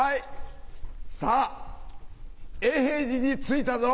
さぁ永平寺に着いたぞ。